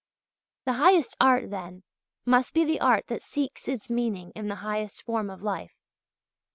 The highest art, then, must be the art that seeks its meaning in the highest form of life.